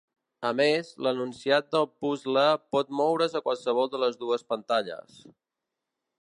A més, l'enunciat del puzle pot moure's a qualsevol de les dues pantalles.